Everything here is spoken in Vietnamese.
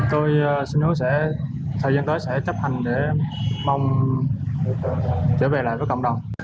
tôi xin hứa sẽ thời gian tới sẽ chấp hành để mong trở về lại với cộng đồng